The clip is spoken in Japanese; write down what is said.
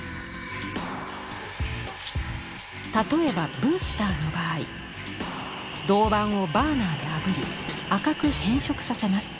例えばブースターの場合銅板をバーナーであぶり赤く変色させます。